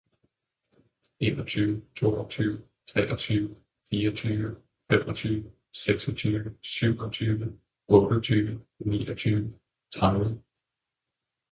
enogtyve, toogtyve, treogtyve, fireogtyve, femogtyve, seksogtyve, syvogtyve, otteogtyve, niogtyve, tredive